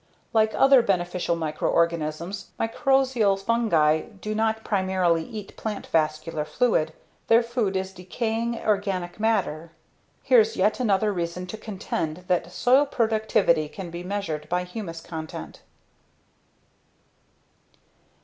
Like other beneficial microorganisms, micorrhizal fungi do not primarily eat plant vascular fluid, their food is decaying organic matter. Here's yet another reason to contend that soil productivity can be measured by humus content.